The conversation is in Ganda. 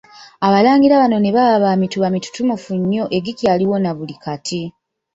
Abalangira bano ne baba ba Mituba mitutumufu nnyo egikyaliwo na buli kati.